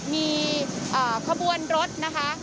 มีขบวนรถนะคะ